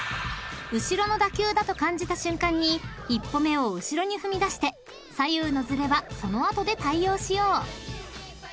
［後ろの打球だと感じた瞬間に１歩目を後ろに踏みだして左右のずれはその後で対応しよう］